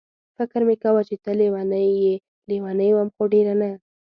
فکر مې کاوه چې ته لېونۍ یې، لېونۍ وم خو ډېره نه.